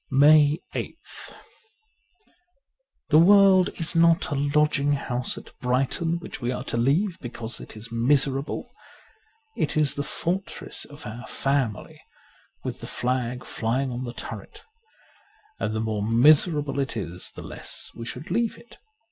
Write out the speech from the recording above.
139 MAY 8th THE world is not a lodging house at Brighton, which we are to leave because it is miserable. It is the fortress of our family, with the flag flying on the turret, and the more miserable it is the less we should leave it.